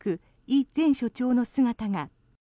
イ前署長の姿が。